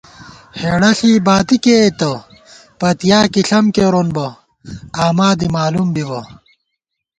ہېڑہ ݪی باتی کئیېتہ، پَتِیا کی ݪم کېرون بہ آماں دی مالُوم بِبہ